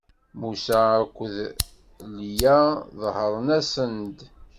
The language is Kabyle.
Musa akked Ilya ḍehren-asen-d.